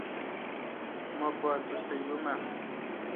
مہ پا توسہ یوماؘ۔